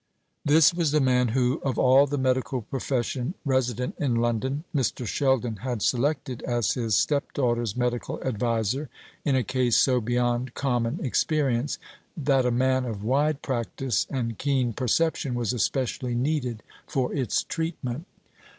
This was the man who, of all the medical profession resident in London, Mr. Sheldon had selected as his stepdaughter's medical adviser in a case so beyond common experience, that a man of wide practice and keen perception was especially needed for its treatment.